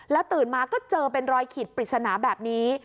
ตื่นมาก็เจอเป็นรอยขีดปริศนาแบบนี้